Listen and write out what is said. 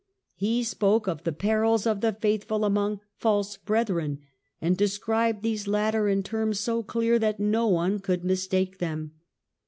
""• He spoke of the perils of the faithful among "false brethren", and described these latter in terms so clear that no one could mistake them.